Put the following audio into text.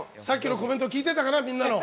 さっきのコメント聞いてたかな？